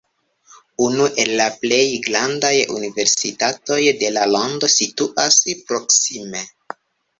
Unu el la plej grandaj universitatoj de la lando situas proksime.